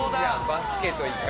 バスケといか。